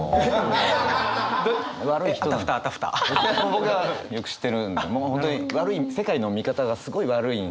僕はよく知ってるんでもう本当に悪い世界の見方がすごい悪いんですよね。